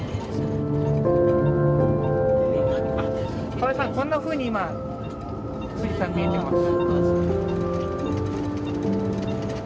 河合さんこんなふうに今富士山見えてます。